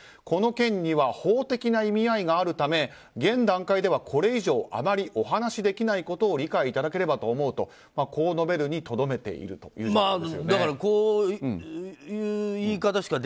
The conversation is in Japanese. この件には法的な意味合いがあるため現段階では、これ以上あまりお話しできないことを理解いただければと思うとこう述べるにとどめているわけなんですね。